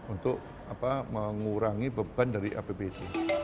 untuk mengurangi beban dari apbd